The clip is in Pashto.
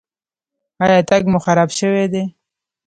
ایا تګ مو خراب شوی دی؟